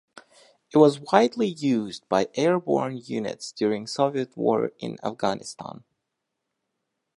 It was widely used by airborne units during Soviet War in Afghanistan.